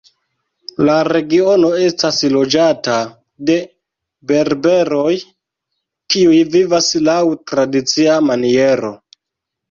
La regiono estas loĝata de berberoj kiuj vivas laŭ tradicia maniero.